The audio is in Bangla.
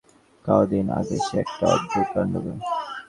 ক দিন আগেই সে একটা অদ্ভুত কাণ্ড করেছে।